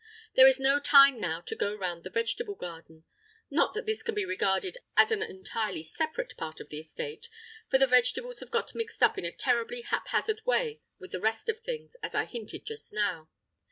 There is no time now to go round the vegetable garden—not that this can be regarded as an entirely separate part of the estate, for the vegetables have got mixed up in a terribly haphazard way with the rest of things, as I hinted just now.